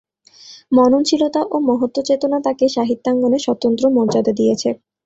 মননশীলতা ও মহত্ত্বচেতনা তাঁকে সাহিত্যাঙ্গনে স্বতন্ত্র মর্যাদা দিয়েছে।